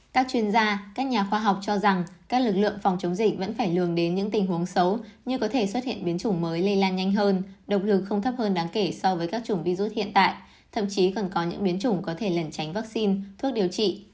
các chuyên gia các nhà khoa học cho rằng các lực lượng phòng chống dịch vẫn phải lường đến những tình huống xấu như có thể xuất hiện biến chủng mới lây lan nhanh hơn động lực không thấp hơn đáng kể so với các chủng virus hiện tại thậm chí còn có những biến chủng có thể lẩn tránh vaccine thuốc điều trị